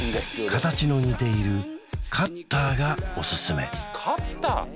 形の似ているカッターがおすすめカッター？